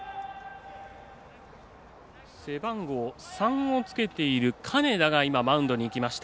背番号３をつけている金田がマウンドに行きました。